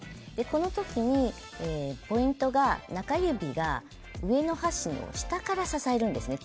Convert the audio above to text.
この時にポイントが中指が上の箸の下から支えるんですね。